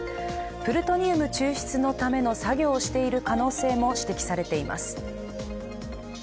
プルトニウム抽出のための作業をしている可能性も指摘されています。